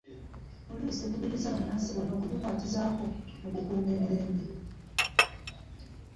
Poliisi ekubiriza ba nnansi bonna okugikwaatizaako mu kukuuma emirembe.